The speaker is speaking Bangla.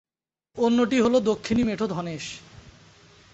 অন্যটি হল দক্ষিণী মেঠো ধনেশ।